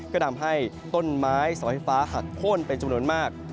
ก็ทำให้ต้นไม้เสาไฟฟ้าหักโค้นเป็นจำนวนมาก